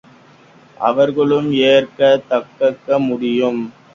அவர்களும் ஏற்கத் தக்கதாக முடியும்!